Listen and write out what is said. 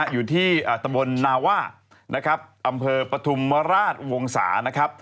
อยู่ที่ตำบลนาว่าอำเภอปฐุมราชวงศาสตร์